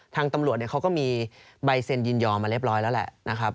ทางตำรวจเขาก็มีใบเซ็นยินยอมมาเรียบร้อยแล้วแหละนะครับ